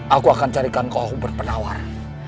aku akan carikan koh berpenawar